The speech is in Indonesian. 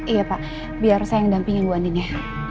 iya pak biar saya yang dampingin bu anin ya